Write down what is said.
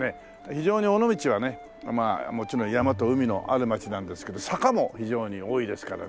非常に尾道はねもちろん山と海のある街なんですけど坂も非常に多いですからね。